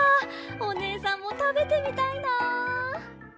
おねえさんもたべてみたいな。